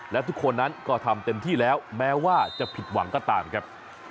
และทุกคนนั้นก็ทำเต็มที่แล้วแม้ว่าจะผิดหวังก็ตามครับ